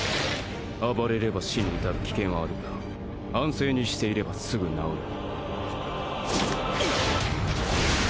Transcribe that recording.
暴れれば死に至る危険はあるが安静にしていればすぐ治る。